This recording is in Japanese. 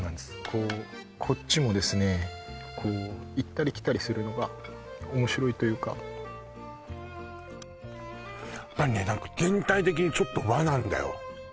こうこっちもですねこう行ったり来たりするのが面白いというかやっぱりね何か全体的にちょっと和なんだよ